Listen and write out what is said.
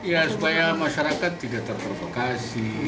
ya supaya masyarakat tidak terprovokasi